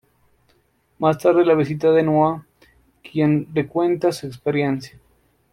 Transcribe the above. Más tarde la visita Noah, a quien le cuenta su experiencia.